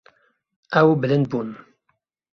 Ew bilind bûn.